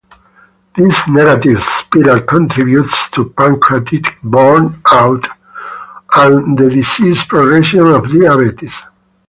This negative spiral contributes to pancreatic burnout, and the disease progression of diabetes.